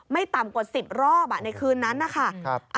ไม่ต่ำกว่า๑๐รอบในคืนนั้นนะคะ